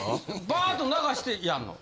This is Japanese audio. バーッと流してやんの？